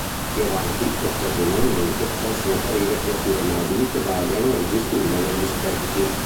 Più avanti, occasionalmente possono apparire creature mobili che vagano e disturbano gli specchi.